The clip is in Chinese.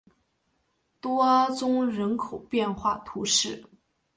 多阿宗人口变化图示